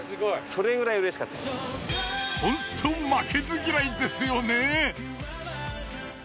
ホント負けず嫌いですよね。